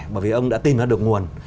bởi vì ông đã tìm ra được nguồn